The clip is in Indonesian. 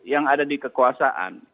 yang ada di kekuasaan